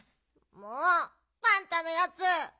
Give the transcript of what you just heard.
もうパンタのやつ。